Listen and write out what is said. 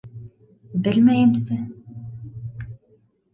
— Белмәйемсе...